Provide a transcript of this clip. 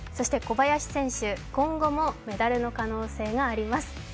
小林選手、今後もメダルの可能性があります。